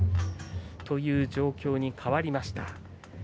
という状況に変わりました。